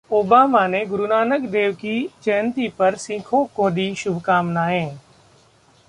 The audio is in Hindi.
ओबामा ने गरुनानक देव की जयंती पर सिखों को दीं शुभकामनाएं